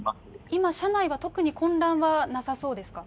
今、車内は特に混乱はなさそうですか？